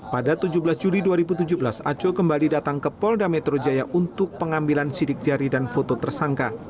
pada tujuh belas juli dua ribu tujuh belas aco kembali datang ke polda metro jaya untuk pengambilan sidik jari dan foto tersangka